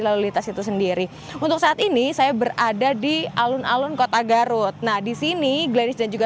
lalu lintas itu sendiri untuk saat ini saya berada di alun alun kota garut nah disini gladis dan juga